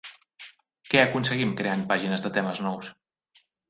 Què aconseguim creant pàgines de temes nous?